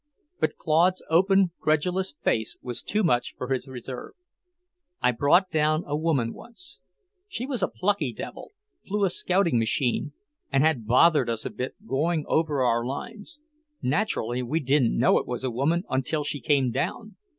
But Claude's open, credulous face was too much for his reserve. "I brought down a woman once. She was a plucky devil, flew a scouting machine and had bothered us a bit, going over our lines. Naturally, we didn't know it was a woman until she came down.